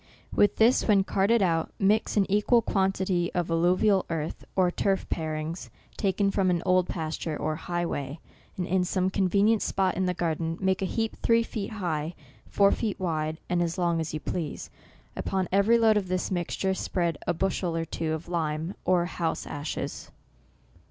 With this, when carted out, mix an equal quantity of alluvial earth, or turf parings, taken from an old pas ture, or highway, and in some convenient spot in the garden, make a heap three feet high, four feet wide, and as long as you please. Upon every load of this mixture, spread a bushel or two of lime, or house ashes.